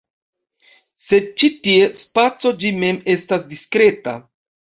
Sed ĉi tie, spaco ĝi mem estas diskreta.